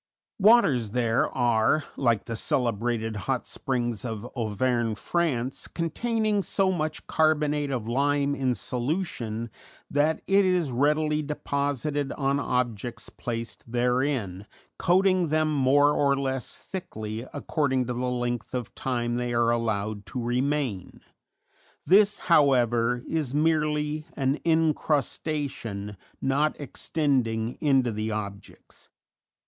Waters there are, like the celebrated hot springs of Auvergne, France, containing so much carbonate of lime in solution that it is readily deposited on objects placed therein, coating them more or less thickly, according to the length of time they are allowed to remain. This, however, is merely an encrustation, not extending into the objects.